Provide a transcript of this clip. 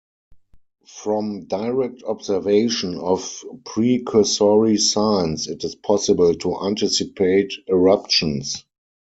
From direct observation of precursory signs, it is possible to anticipate eruptions.